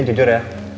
eh jujur ya